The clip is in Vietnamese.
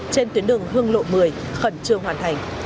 trên tuyến đường hương lộ một mươi khẩn trương hoàn thành